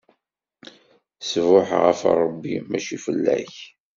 Ṣṣbuḥ ɣef Ṛebbi, mačči fell-ak!